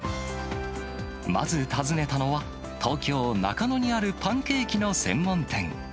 まず訪ねたのは、東京・中野にあるパンケーキの専門店。